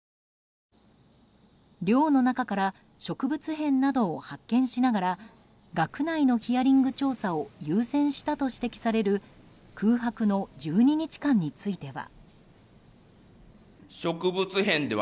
寮の中から植物片などを発見しながら学内のヒアリング調査を優先したと指摘される空白の１２日間については。